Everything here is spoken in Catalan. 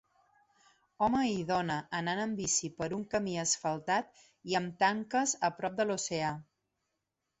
Home i dona anant en bici per un camí asfaltat i amb tanques a prop de l'oceà